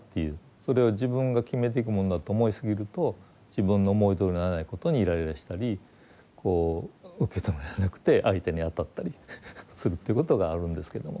それを自分が決めていくもんだと思いすぎると自分の思いどおりにならないことにイライラしたりこう受け止められなくて相手に当たったりするということがあるんですけども。